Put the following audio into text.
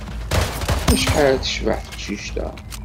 Acḥal tecbeḥ teqcict-a!